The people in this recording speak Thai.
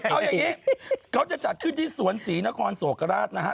เอาอย่างนี้เขาจะจัดขึ้นที่สวนศรีนครโศกราชนะฮะ